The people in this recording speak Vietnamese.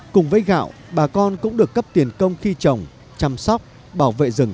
cùng với gạo bà con cũng được cấp tiền công khi trồng chăm sóc bảo vệ rừng